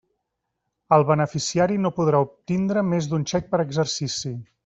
El beneficiari no podrà obtindre més d'un xec per exercici.